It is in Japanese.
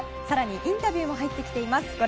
更にインタビューも入ってきています。